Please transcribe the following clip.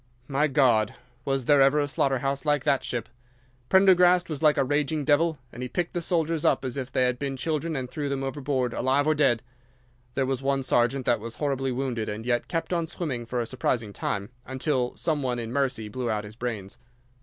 My God! Was there ever a slaughter house like that ship! Prendergast was like a raging devil, and he picked the soldiers up as if they had been children and threw them overboard alive or dead. There was one sergeant that was horribly wounded and yet kept on swimming for a surprising time, until some one in mercy blew out his brains.